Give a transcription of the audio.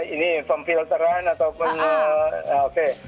ini pemfilteran ataupun oke